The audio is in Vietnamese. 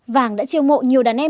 vàng đã triều mộ nhiều đàn em